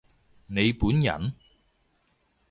你本人？